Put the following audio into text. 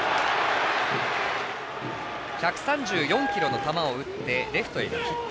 １３４キロの球を打ってレフトへのヒット。